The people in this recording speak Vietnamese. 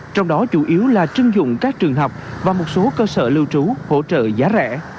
trong đó chủ yếu là chưng dụng các trường học và một số cơ sở lưu trú hỗ trợ giá rẻ